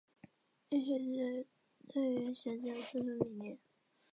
恋鞋指对于鞋子有特殊迷恋。